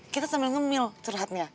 kita sambil ngemil curhatnya